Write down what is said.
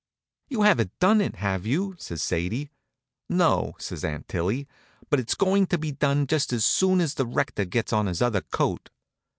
"You haven't done it, have you?" says Sadie. "No," says Aunt Tillie; "but it's going to be done just as soon as the rector gets on his other coat."